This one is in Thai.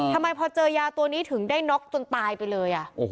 ทำไมพอเจอยาตัวนี้ถึงได้น็อกจนตายไปเลย